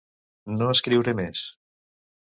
No escriuré més!